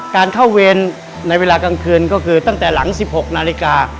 การเข้าเวรในเวลากลางคืนก็คือตั้งแต่หลัง๑๖นาฬิกา